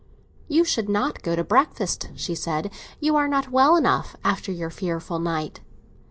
"You should not go to breakfast," she said; "you are not well enough, after your fearful night."